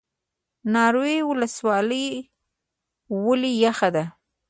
ناور ولسوالۍ ولې یخه ده؟